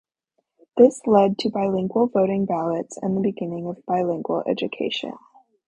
This led to bilingual voting ballots and the beginning of bilingual education.